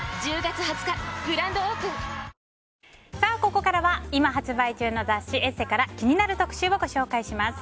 ここからは今発売中の雑誌「ＥＳＳＥ」から気になる特集をご紹介します。